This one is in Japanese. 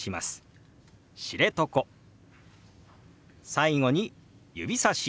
最後に指さし。